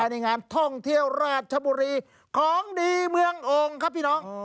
ในงานท่องเที่ยวราชบุรีของดีเมืององค์ครับพี่น้อง